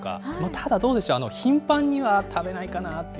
ただどうでしょう、頻繁には食べないかな。